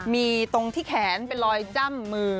มีตรงที่แขนเป็นรอยจ้ำมือ